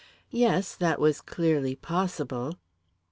Yes, that was clearly possible.